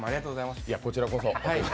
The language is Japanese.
こちらこそ。